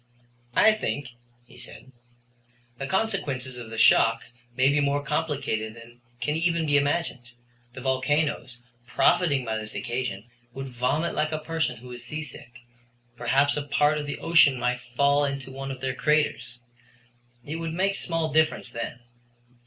"I think," he said, "the consequences of the shock may be more complicated than can even be imagined. The volcanoes, profiting by this occasion, would vomit like a person who is seasick. Perhaps a part of the ocean might fall into one of their craters. It would make small difference then.